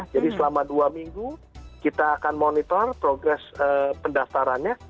jadi selama dua minggu kita akan monitor progres pendaftarannya